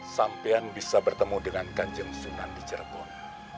sampean bisa bertemu dengan kanjeng sunan di cirebon